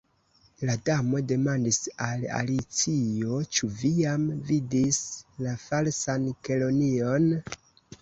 La Damo demandis al Alicio: "Ĉu vi jam vidis la Falsan Kelonion?"